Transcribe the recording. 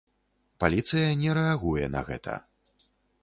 Паліцыя не рэагуе на гэта.